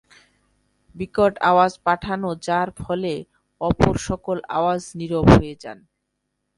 বিকট আওয়াজ পাঠান যার ফলে অপর সকল আওয়াজ নীরব হয়ে যায়।